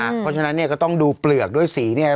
เพราะฉะนั้นเนี่ยก็ต้องดูเปลือกด้วยสีเนี่ย